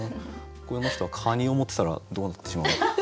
この人がカニを持ってたらどうなってしまうっていう。